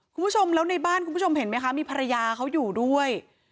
คุณผู้ชมแล้วในบ้านคุณผู้ชมเห็นไหมคะมีภรรยาเขาอยู่ด้วย